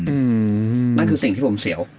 อืมนั่นคือสิ่งที่ผมเสียว